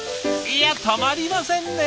いやたまりませんね。